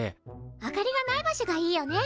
明かりがない場所がいいよね！